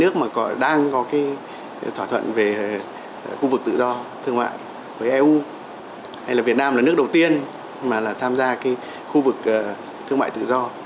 các cái thỏa thuận về khu vực tự do thương mại với eu hay là việt nam là nước đầu tiên mà là tham gia cái khu vực thương mại tự do